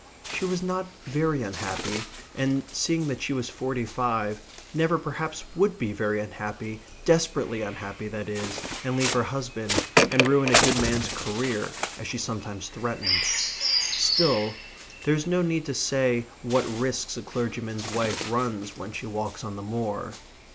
She was not very unhappy, and, seeing that she was forty five, never perhaps would be very unhappy, desperately unhappy that is, and leave her husband, and ruin a good man's career, as she sometimes threatened. Still there is no need to say what risks a clergyman's wife runs when she walks on the moor.